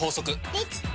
できた！